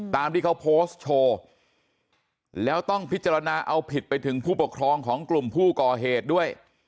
ตามที่เขาโพสต์โชว์แล้วต้องพิจารณาเอาผิดไปถึงผู้ปกครองของกลุ่มผู้ก่อเหตุด้วย